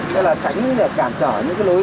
đấy là tránh để cản trở những cái lối